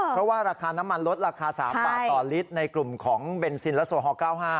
เพราะว่าราคาน้ำมันลดราคา๓บาทต่อลิตรในกลุ่มของเบนซินและโซฮอล๙๕